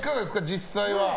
実際は。